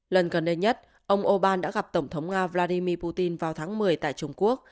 lần gần đây nhất ông orbán đã gặp tổng thống nga vladimir putin vào tháng một mươi tại trung quốc